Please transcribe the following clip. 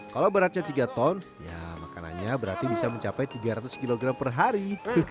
kalau beratnya tiga ton makanan bisa mencapai tiga ratus kg per hari